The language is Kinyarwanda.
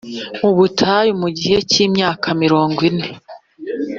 mu butayu mu gihe cy’imyaka mirongo ine,